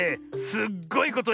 すっごいこと？